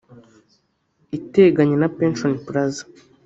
iteganye Pension Plaza